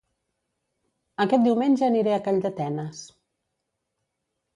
Aquest diumenge aniré a Calldetenes